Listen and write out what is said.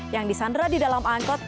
yang disandra di dalam angkot